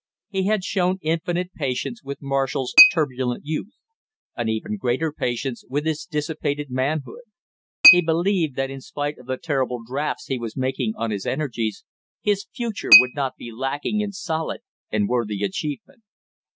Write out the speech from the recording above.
He had shown infinite patience with Marshall's turbulent youth; an even greater patience with his dissipated manhood; he believed that in spite of the terrible drafts he was making on his energies, his future would not be lacking in solid and worthy achievement.